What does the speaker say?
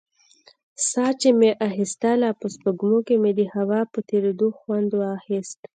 ساه چې مې اخيستله په سپږمو کښې مې د هوا په تېرېدو خوند اخيست.